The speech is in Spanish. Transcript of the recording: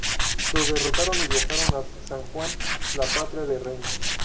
Lo derrotaron y viajaron a San Juan, la patria de Reyna.